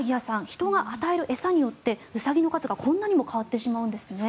人が与える餌によってウサギの数がこんなにも変わってしまうんですね。